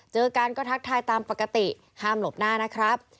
เจอกันก็ทักทายตามปกติห้ามหลบหน้านะครับ